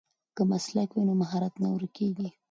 که مسلک وي نو مهارت نه ورکېږي.